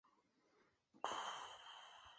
是福音战士新剧场版系列的第一部。